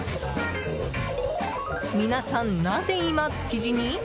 皆さんなぜ今、築地に？